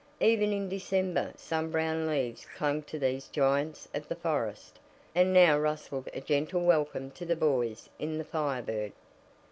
Even in December some brown leaves clung to these giants of the forest, that now rustled a gentle welcome to the boys in the Fire Bird.